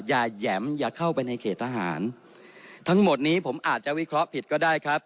แหยมอย่าเข้าไปในเขตทหารทั้งหมดนี้ผมอาจจะวิเคราะห์ผิดก็ได้ครับ